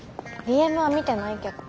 ＤＭは見てないけど。